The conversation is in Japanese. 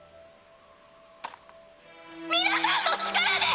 皆さんの力で！